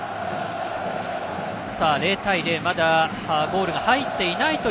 ０対０と、ゴールが入っていない